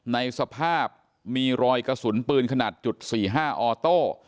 ในสภาพมีรอยกระสุนปืนขนาดจุด๔๕ออโต้